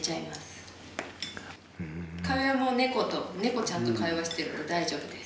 会話も猫と猫ちゃんと会話してるので大丈夫です。